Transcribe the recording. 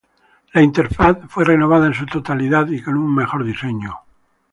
La interfaz fue renovada en su totalidad y con un mejor diseño.